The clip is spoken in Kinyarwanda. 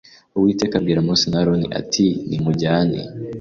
Uwiteka abwira Mose na Aroni ati Nimujyane